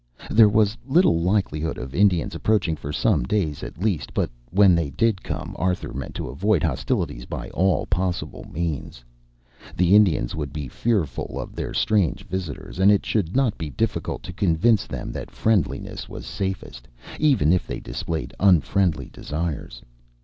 There was little likelihood of Indians approaching for some days, at least, but when they did come Arthur meant to avoid hostilities by all possible means. The Indians would be fearful of their strange visitors, and it should not be difficult to convince them that friendliness was safest, even if they displayed unfriendly desires.